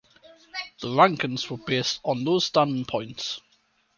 The rankings were based on those standing points.